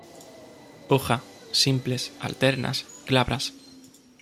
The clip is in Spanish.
Hoja, simples, alternas, glabras.